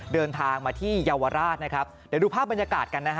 เดินทางมาที่เยาวราชนะครับเดี๋ยวดูภาพบรรยากาศกันนะฮะ